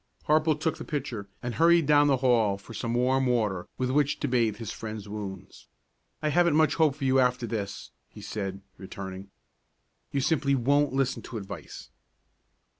Harple took the pitcher and hurried down the hall for some warm water with which to bathe his friend's wounds. "I haven't much hope for you after this," he said, returning. "You simply won't listen to advice."